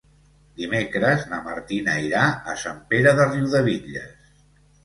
Dimecres na Martina irà a Sant Pere de Riudebitlles.